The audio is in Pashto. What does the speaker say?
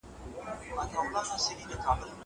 په قرآن کريم کي د قصو ارزښت خورا ډير دی.